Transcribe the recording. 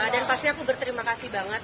dan pasti aku berterima kasih banget